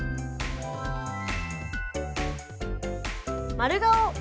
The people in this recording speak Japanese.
「まるがお」。